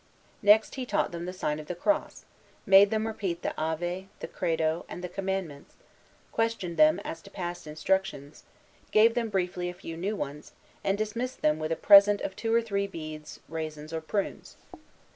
Next he taught them the sign of the cross; made them repeat the Ave, the Credo, and the Commandments; questioned them as to past instructions; gave them briefly a few new ones; and dismissed them with a present of two or three beads, raisins, or prunes.